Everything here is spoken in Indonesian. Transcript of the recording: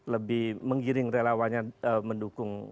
lebih menggiring relawannya mendukung